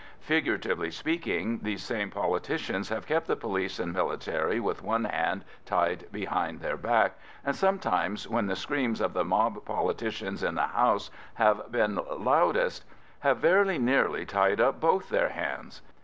Figuratively speaking, these same politicians have kept the police and military with one hand tied behind their back, and sometimes when the screams of the mob politicians in the House have been loudest, have very nearly tied up both their hands.